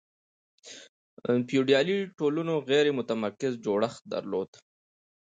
فیوډالي ټولنو غیر متمرکز جوړښت درلود.